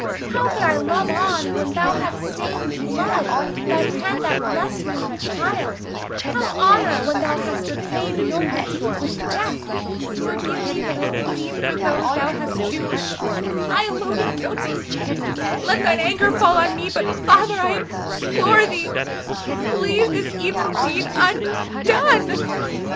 How could I love on when thou hadst stained with blood that hand that blessed me when a child, how honor when thou hadst repaid noble deeds with death? Forgive me that I plead for those thou hast doomed! I alone am guilty, let thine anger fall on me; but, Father, I implore thee, leave this evil deed undone.